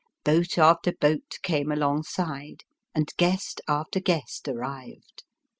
Boat after boat came alongside, and guest after guest arrived.